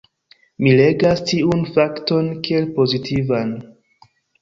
Mi legas tiun fakton kiel pozitivan.